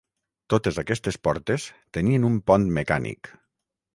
Totes aquestes portes tenien un pont mecànic.